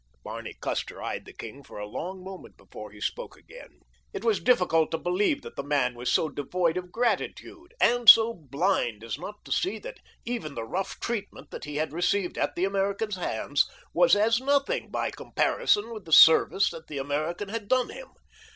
Barney Custer eyed the king for a long moment before he spoke again. It was difficult to believe that the man was so devoid of gratitude, and so blind as not to see that even the rough treatment that he had received at the American's hands was as nothing by comparison with the service that the American had done him.